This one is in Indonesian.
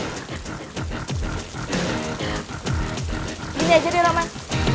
gini aja deh roman